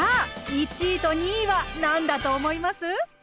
１位と２位は何だと思います？